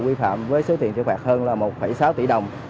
vi phạm với số tiền triệu phạt hơn là một sáu tỷ đồng